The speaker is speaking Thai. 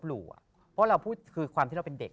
พี่ยังไม่ได้เลิกแต่พี่ยังไม่ได้เลิก